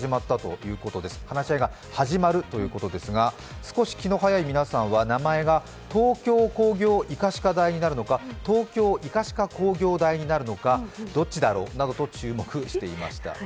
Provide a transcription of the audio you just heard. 話し合いが始まるということですが少し気の早い皆さんは、名前が東京工業医科歯科大になるのか、東京医科歯科工業大になるのか、どっちだろうなどと注目していました。